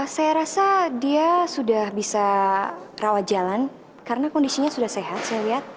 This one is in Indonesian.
saya rasa dia sudah bisa rawat jalan karena kondisinya sudah sehat saya lihat